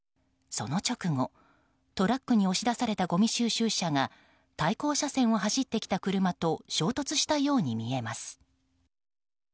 その直後トラックに押し出されたごみ収集車が対向車線を走ってきた車と衝突したように見えます。